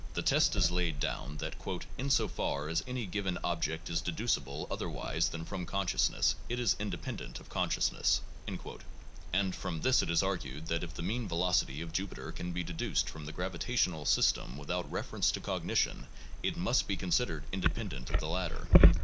The test is laid down that "in so far as any given object is deducible otherwise than from consciousness, it is independ ent of consciousness" (p. 135) ; and from this it is argued that if the mean velocity of Jupiter can be deduced from the gravitational sys tem without reference to cognition it must be considered independent of the latter.